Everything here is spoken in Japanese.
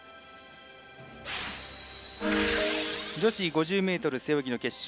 女子５０ｍ背泳ぎの決勝。